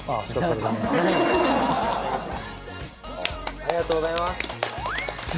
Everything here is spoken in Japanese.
ありがとうございます。